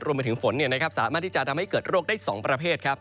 รวมไปถึงฝนสามารถที่จะทำให้เกิดโรคได้๒ประเภทครับ